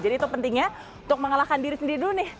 jadi itu pentingnya untuk mengalahkan diri sendiri dulu nih